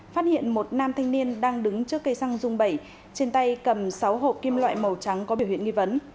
phát hiện một nam thanh niên đang đứng trước cây xăng dung bảy trên tay cầm sáu hộp kim loại màu trắng có biểu hiện nghi vấn